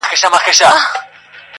زه ګرم نه یم دا زما زړه لېونی دی-